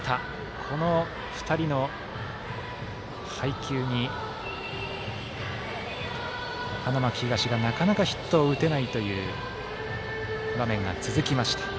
この２人の配球に、花巻東がなかなかヒットを打てないという場面が続きました。